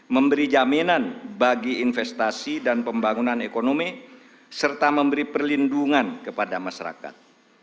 memberi jaminan bagi investasi dan pembangunan ekonomi serta memberi perlindungan kepada masyarakat